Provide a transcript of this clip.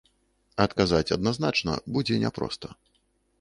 Адказаць адназначна будзе няпроста.